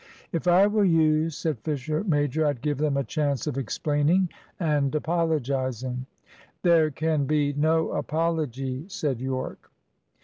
"If I were you," said Fisher major, "I'd give them a chance of explaining and apologising." "There can be no apology," said Yorke.